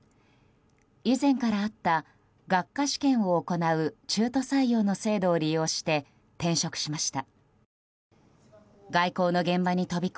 以前からあった学科試験を行う中途採用の制度を利用して転職しました。